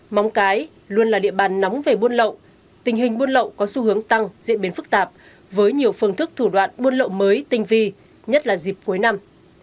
móng cái luôn là địa bàn nóng về buôn lậu tình hình buôn lậu có xu hướng tăng diễn biến phức tạp với nhiều phương thức thủ đoạn buôn lậu mới tinh vi nhất là dịp cuối năm